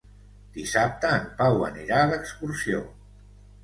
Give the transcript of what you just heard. Dissabte en Pau anirà d'excursió.